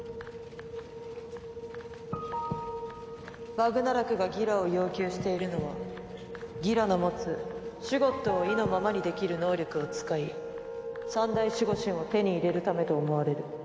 バグナラクがギラを要求しているのはギラの持つシュゴッドを意のままにできる能力を使い三大守護神を手に入れるためと思われる。